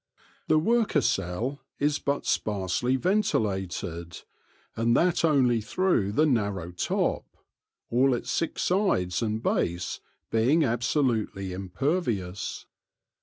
The worker cell is but THE GENESIS OF THE QUEEN 69 sparsely ventilated, and that only through the narrow top, all its six sides and base being absolutely im pervious.